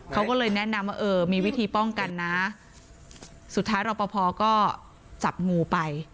เขาก็เลยแนะนำว่าเออมีวิธีป้องกันนะสุดท้ายรอปภก็จับงูไป